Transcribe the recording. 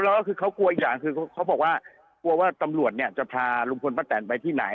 แล้วก็คือเขากลัวอีกอย่างคือเขาบอกว่ากลัวว่าตำรวจเนี่ยจะพาลุงพลป้าแตนไปที่ไหน